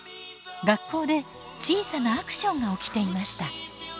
学校で小さなアクションが起きていました。